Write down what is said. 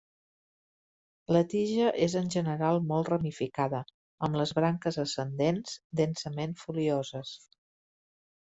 La tija és en general molt ramificada, amb les branques ascendents, densament folioses.